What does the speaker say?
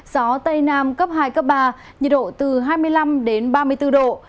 gió tây nam cấp hai cấp ba nhiệt độ từ hai mươi năm đến ba mươi bốn độ